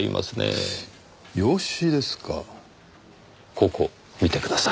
ここ見てください。